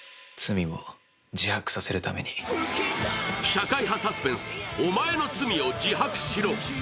社会派サスペンス、「おまえの罪を自白しろ」。